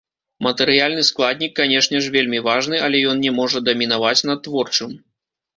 Матэрыяльны складнік, канешне ж, вельмі важны, але ён не можа дамінаваць над творчым.